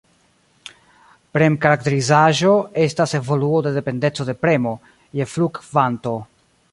Prem-karakterizaĵo estas evoluo de dependeco de premo je flu-kvanto.